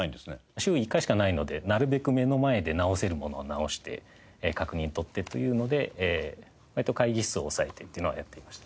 週１回しかないのでなるべく目の前で直せるものは直して確認とってというので割と会議室を押さえてっていうのはやっていました。